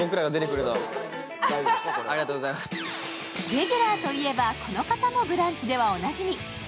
レギュラーといえば、この方も「ブランチ」ではおなじみ。